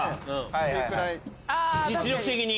実力的に。